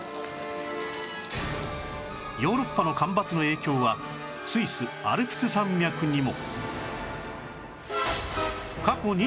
ヨーロッパの干ばつの影響はスイスアルプス山脈にも